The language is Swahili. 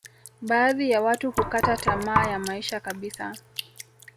baadhi ya watu hukata tamaa ya maisha kabisa